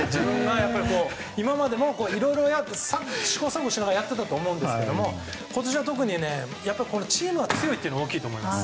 今までもいろいろ試行錯誤しながらやっていたと思いますが今年は特にチームが強いのも大きいと思います。